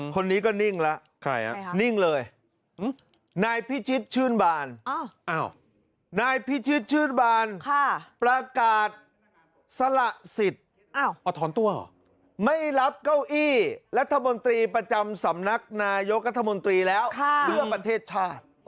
คนนี้ก็นิ่งแล้วนิ่งเลยนายพิชิตชื่นบาลประกาศสละสิทธิ์ไม่รับเก้าอี้รัฐมนตรีประจำสำนักนายกรรฐมนตรีแล้วเพื่อประเทศชาติ